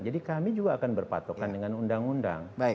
jadi kami juga akan berpatokan dengan undang undang